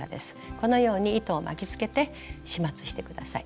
このように糸を巻きつけて始末して下さい。